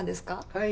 はい。